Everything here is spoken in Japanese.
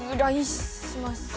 します？